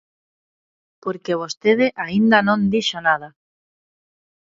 Porque vostede aínda non dixo nada.